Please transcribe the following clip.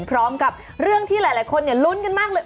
พร้อมกับเรื่องที่หลายคนลุ้นกันมากเลย